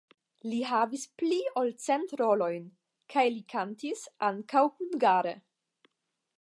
Li havis pli ol cent rolojn kaj li kantis ankaŭ hungare.